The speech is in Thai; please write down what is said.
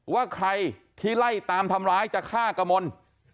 ว่าใครที่ไล่ตามทำร้ายจะฆ่ากระมน